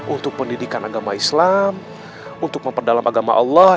untuk pendidikan agama islam untuk memperdalam agama allah